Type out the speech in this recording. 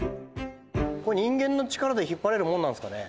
人間の力で引っ張れるもんなんですかね？